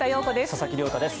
佐々木亮太です。